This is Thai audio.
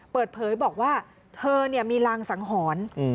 เปิดเผยบอกว่าเธอมีรางสังหรณ์